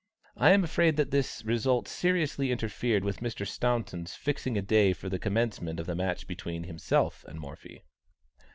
I am afraid that this result seriously interfered with Mr. Staunton's fixing a day for the commencement of the match between himself and Morphy.